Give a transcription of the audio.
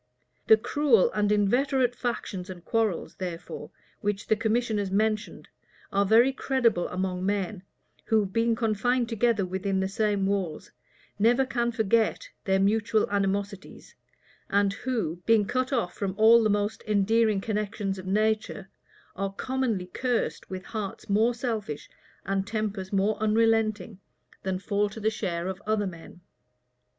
The cruel and inveterate factions and quarrels, therefore, which the commissioners mentioned, are very credible among men, who, being confined together within the same walls, never can forget their mutual animosities, and who, being cut off from all the most endearing connections of nature, are commonly cursed with hearts more selfish, and tempers more unrelenting, than fall to the share of other men.